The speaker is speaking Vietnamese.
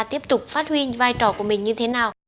tiếp tục phát huy vai trò của mình như thế nào